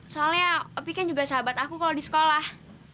soalnya opi kan juga sahabat aku kalau di sekolah